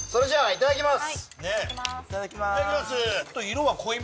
いただきます。